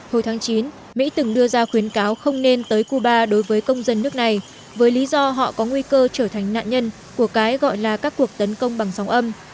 hồi tháng chín mỹ từng đưa ra khuyến cáo không nên tới cuba đối với công dân nước này với lý do họ có nguy cơ trở thành nạn nhân của cái gọi là các cuộc tấn công bằng sóng âm